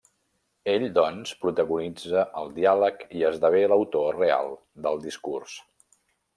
Ell, doncs, protagonitza el diàleg i esdevé l'autor real del discurs.